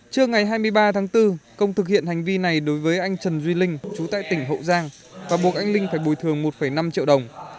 trưa ngày hai mươi ba tháng bốn công thực hiện hành vi này đối với anh trần duy linh chú tại tỉnh hậu giang và buộc anh linh phải bồi thường một năm triệu đồng